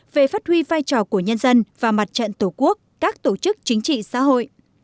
về phát huy vai trò của nhân dân và mặt trận tổ quốc các tổ chức chính trị xã hội